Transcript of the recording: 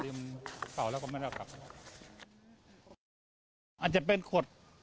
อาจจะเป็นขวด